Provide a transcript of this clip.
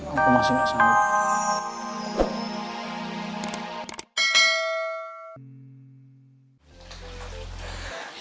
aku masih gak sabar